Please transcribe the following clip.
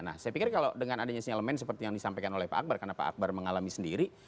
nah saya pikir kalau dengan adanya sinyalemen seperti yang disampaikan oleh pak akbar karena pak akbar mengalami sendiri